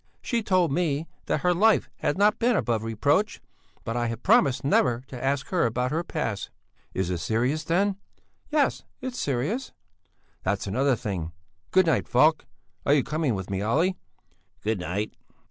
She told me that her life had not been above reproach, but I have promised never to ask her about her past." "Is it serious then?" "Yes, it is serious." "That's another thing; Good night, Falk! Are you coming with me, Olle?" "Good night."